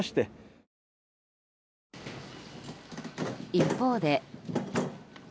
一方で。